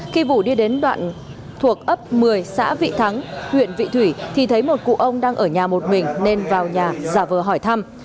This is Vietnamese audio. khi vũ đi đến đoạn thuộc ấp một mươi xã vị thắng huyện vị thủy thì thấy một cụ ông đang ở nhà một mình nên vào nhà giả vờ hỏi thăm